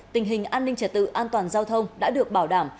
tình hình an ninh trật tự an toàn giao thông đã được bảo đảm